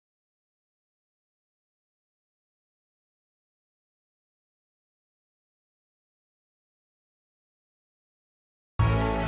mau harga daging naik kek tetep kek tetep kek